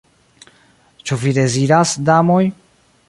Ĉu vi deziras, damoj?